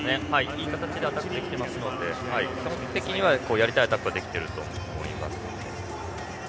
いい形でアタックできていますので基本的にはやりたいアタックはできていると思います。